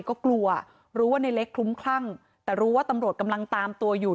ก็กลัวรู้ว่าในเล็กคลุ้มคลั่งแต่รู้ว่าตำรวจกำลังตามตัวอยู่